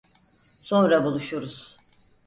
Sonra buluşuruz.